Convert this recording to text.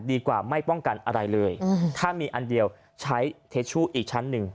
ดีกว่าไม่ป้องกันอะไรเลยถ้ามีอันเดียวใช้เทชูอีกชั้นหนึ่ง